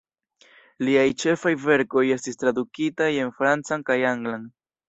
Liaj ĉefaj verkoj estis tradukitaj en francan kaj anglan.